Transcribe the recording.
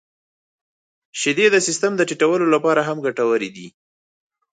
• شیدې د سیستم د ټيټولو لپاره هم ګټورې دي.